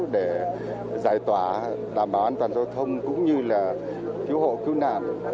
để giải tỏa đảm bảo an toàn giao thông cũng như là cứu hộ cứu nạn